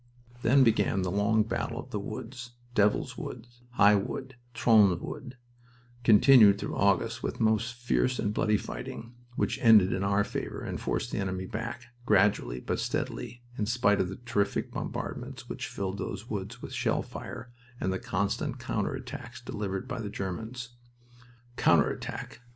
Then began the long battle of the woods Devil's Wood, High Wood, Trones Wood continued through August with most fierce and bloody fighting, which ended in our favor and forced the enemy back, gradually but steadily, in spite of the terrific bombardments which filled those woods with shell fire and the constant counter attacks delivered by the Germans. "Counter attack!"